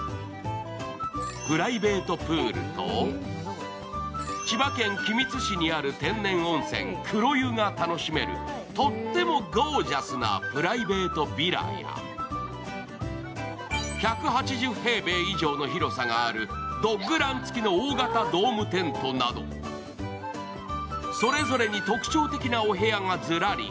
プライベートプールと千葉県君津市にある天然温泉、黒湯が楽しめるとってもゴージャスなプライベートヴィラや１８０平米以上の広さがあるドッグラン付きの大型ドームテントなど、それぞれに特徴的なお部屋がずらり。